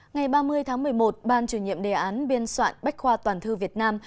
ngày ba mươi tháng một mươi một ban chủ nhiệm đề án biên soạn bách khoa toàn thư việt nam